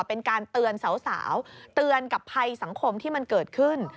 เป็นการเตือนสาวเตือนกับภัยสังคมที่มันเกิดขึ้น